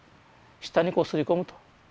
舌にこうすり込むと。